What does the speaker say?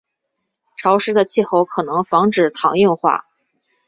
潮湿的气候可能防止糖硬化。